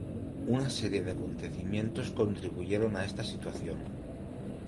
Una serie de acontecimientos contribuyeron a esta situación.